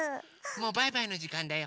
もうバイバイのじかんだよ。